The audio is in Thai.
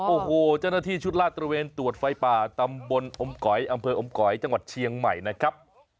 โอ้โหเจ้าหน้าที่ชุดลาดตระเวนตรวจไฟป่าตำบลอมก๋อยอำเภออมก๋อยจังหวัดเชียงใหม่นะครับ